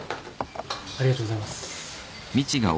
ありがとうございます。